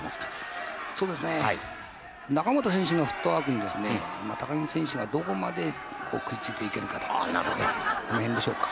仲本選手のフットワークにですね高木選手がどこまで食い付いていけるかとこの辺でしょうか。